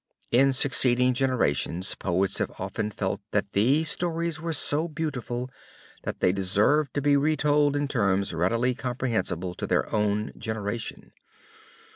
In succeeding generations poets have often felt that these stories were so beautiful that they deserved to be retold in terms readily comprehensible to their own generation.